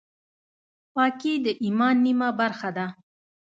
پاکي د ایمان نیمه برخه ده.